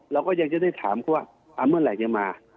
เราก็ยังจะได้ถามเขาว่าเมื่อไหร่จะมา